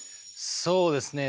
そうですね